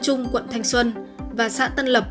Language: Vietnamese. trung quận thanh xuân và xã tân lập